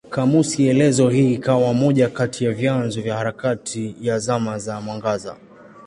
Kamusi elezo hii ikawa moja kati ya vyanzo vya harakati ya Zama za Mwangaza.